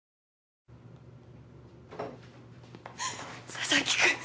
佐々木くん